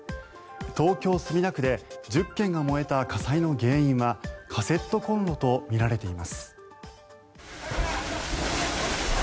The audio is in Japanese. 東京・墨田区で１０軒が燃えた火災の原因はカセットコンロとみられています。